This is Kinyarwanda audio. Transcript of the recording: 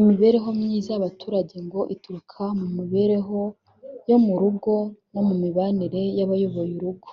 Imibereho myiza y’abaturage ngo ituruka mu mibereho yo mu rugo no mu mibanire y’abayoboye urugo